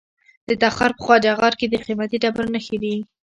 د تخار په خواجه غار کې د قیمتي ډبرو نښې دي.